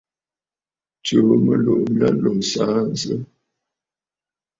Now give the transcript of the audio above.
Tsùù mɨlùʼù mya lǒ saansə!